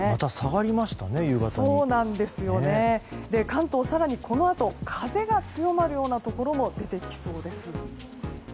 関東、更にこのあと風が強まるところも出てきそうです。